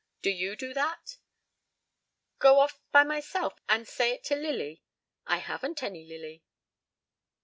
Do you do that?" "Go off by myself and say it to Lily? I haven't any Lily."